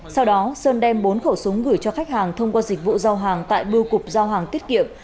sau đó sơn đem bốn khẩu súng gửi cho khách hàng thông qua dịch vụ giao hàng tại bưu cục giao hàng tiết kiệm